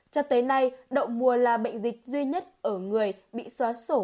cho tới nay đậu mùa là bệnh dịch duy nhất ở người bị xóa sổ